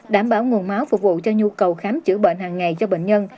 đảm bảo nguồn máu phục vụ cho nhu cầu khám chữa bệnh hàng ngày cho bệnh nhân